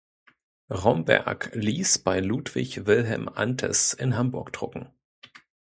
Romberg ließ bei Ludwig Wilhelm Anthes in Hamburg drucken.